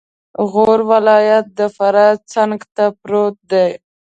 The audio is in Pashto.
غور ولایت د فراه څنګته پروت دی